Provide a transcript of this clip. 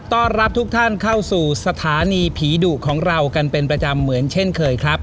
ต้อนรับทุกท่านเข้าสู่สถานีผีดุของเรากันเป็นประจำเหมือนเช่นเคยครับ